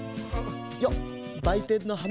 よっばいてんのはな。